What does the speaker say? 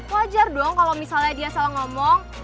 wajar dong kalau misalnya dia salah ngomong